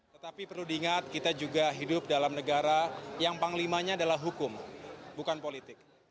tetapi perlu diingat kita juga hidup dalam negara yang panglimanya adalah hukum bukan politik